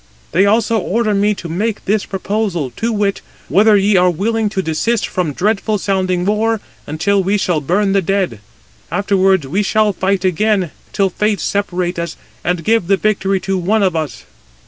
They also order me to make this proposal, to wit, whether ye are willing to desist from dreadful sounding war, until we shall burn the dead: afterwards we shall fight again, till fate separate us, and give the victory to one of us."